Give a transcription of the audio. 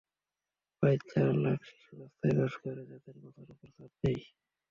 প্রায় চার লাখ শিশু রাস্তায় বাস করে, যাদের মাথার ওপর ছাদ নেই।